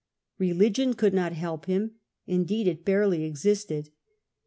Religion could not help him ; indeed it barely existed.